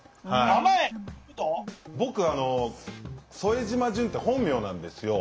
僕副島淳って本名なんですよ。